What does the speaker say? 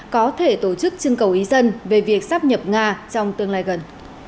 có thể tổ chức trưng cầu ý dân về việc sắp nhập nga trong tương lai gần